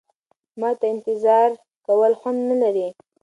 مرګ ته انتظار کول خوند نه لري.